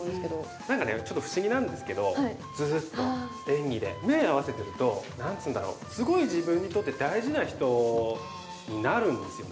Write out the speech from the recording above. なんかね、ちょっと不思議なんですけど、ずっと演技で目合わせてると、なんていうんだろう、すごい自分にとって大事な人になるんですよね。